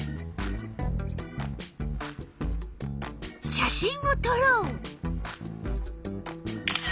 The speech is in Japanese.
写真をとろう。